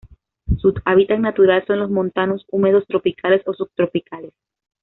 Su hábitat natural son los montanos húmedos tropicales o subtropicales.